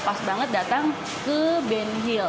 pas banget datang ke ben hill